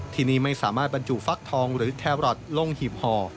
ที่นี่ไม่สามารถบรรจุฟักทองหรือแครอทลงหีบห่อ